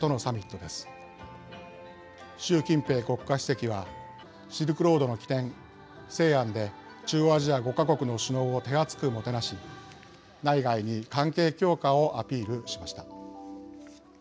習近平国家主席はシルクロードの起点西安で中央アジア５か国の首脳を手厚くもてなし内外に関係強化をアピールしました。